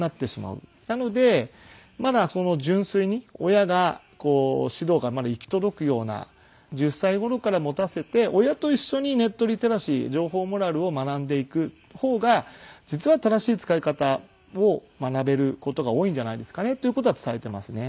なのでまだ純粋に親が指導が行き届くような１０歳頃から持たせて親と一緒にネットリテラシー情報モラルを学んでいく方が実は正しい使い方を学べる事が多いんじゃないですかねという事は伝えていますね。